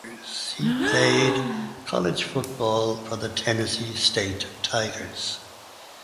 He played college football for the Tennessee State Tigers.